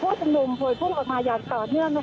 เพราะตอนนี้ก็ไม่มีเวลาให้เข้าไปที่นี่